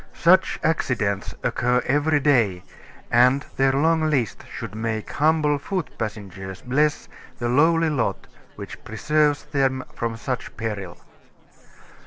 Such accidents occur every day; and their long list should make humble foot passengers bless the lowly lot which preserves them from such peril.